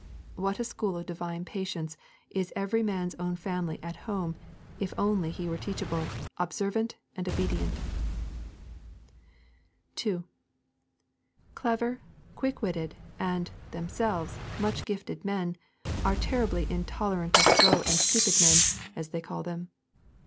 What a school of divine patience is every man's own family at home if he only were teachable, observant, and obedient! 2. Clever, quick witted, and, themselves, much gifted men, are terribly intolerant of slow and stupid men, as they call them.